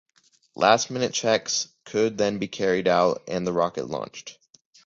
Last minute checks could then be carried out, and the rocket launched.